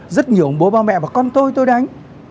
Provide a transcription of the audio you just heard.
rất nhiều bố ba mẹ và con tôi tôi đánh